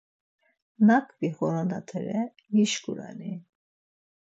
Nak vixoronatere gişǩurani?